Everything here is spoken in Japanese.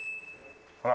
ほら！